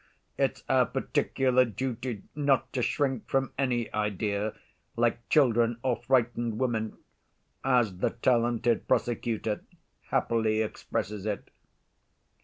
It's our particular duty not to shrink from any idea, like children or frightened women, as the talented prosecutor happily expresses it.